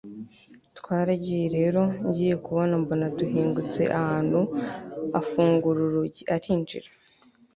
twaragiye rero, ngiye kubona mbona duhingutse ahantu afungura urugi arinjira